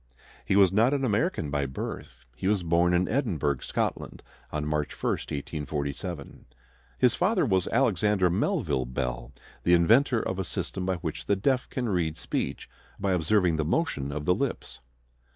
He was not an American by birth. He was born in Edinburgh, Scotland, on March 1, 1847. His father was Alexander Melville Bell, the inventor of a system by which the deaf can read speech by observing the motion of the lips.